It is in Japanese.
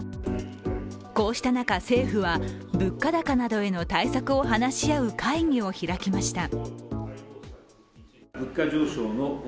こうした中、政府は物価高などへの対策を話し合う会議を開きました。